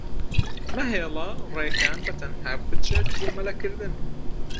مەهێڵە ڕێکان بەتەنها بچێت بۆ مەلەکردن.